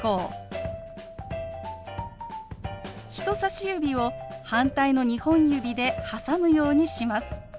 人さし指を反対の２本指で挟むようにします。